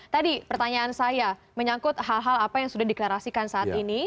tadi pertanyaan saya menyangkut hal hal apa yang sudah deklarasikan saat ini